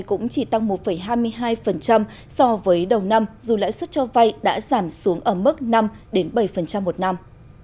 cũng chỉ tăng một hai mươi hai so với đầu năm dù lãi suất cho vay đã giảm xuống ở mức năm bảy một năm